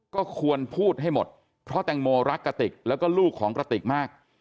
ก็ควรพูดให้หมดเพราะแตงโมรักกะติกแล้วก็ลูกของกระติกมาก